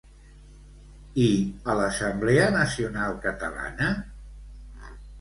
I a l'Assamblea Nacional Catalana?